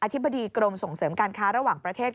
ธิบดีกรมส่งเสริมการค้าระหว่างประเทศ